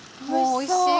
おいしそう。